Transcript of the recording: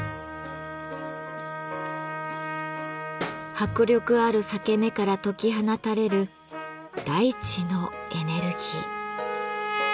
迫力ある裂け目から解き放たれる大地のエネルギー。